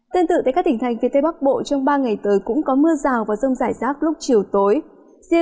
tên tự tây cát tỉnh thành phía tây bắc bộ trong ba ngày tới cũng có mưa rào và rông dại rác lúc chiều tối